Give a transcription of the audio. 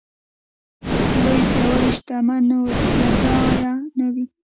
لوی پياوړ شتمنو له ځایه نه وي.